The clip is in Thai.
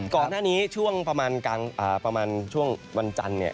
ก่อนหน้านี้ช่วงประมาณกลางประมาณช่วงวันจันทร์เนี่ย